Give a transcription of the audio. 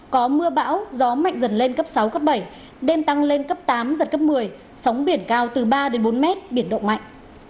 có mưa bão gió mạnh dần lên cấp sáu cấp bảy đêm tăng lên cấp tám giật cấp một mươi sóng biển cao từ ba bốn mét biển động mạnh